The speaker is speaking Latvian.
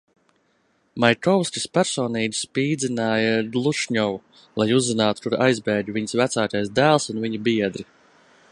Maikovskis personīgi spīdzināja Glušņovu, lai uzzinātu, kur aizbēga viņas vecākais dēls un viņa biedri.